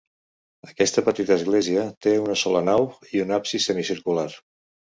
Aquesta petita església té una sola nau i un absis semicircular.